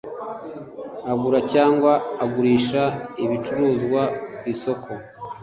agura cyangwa agurisha ibicuruzwa ku isoko